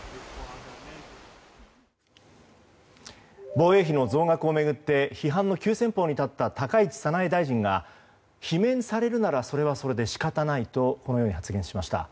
防衛費の増額を巡って批判の急先鋒に立った高市早苗大臣が罷免されるならそれはそれで仕方ないと発言しました。